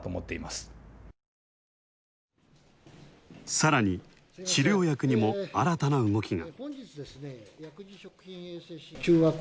さらに、治療薬にも新たな動きが。